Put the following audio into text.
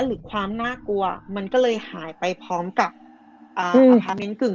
หรือความน่ากลัวมันก็เลยหายไปพร้อมกับอพาร์ทเมนต์กึ่ง